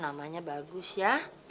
namanya bagus ya